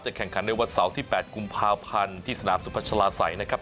แข่งขันในวันเสาร์ที่๘กุมภาพันธ์ที่สนามสุพัชลาศัยนะครับ